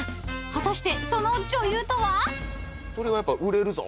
果たしてその女優とは？］